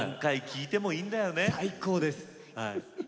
最高です。